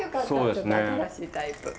ちょっと新しいタイプ。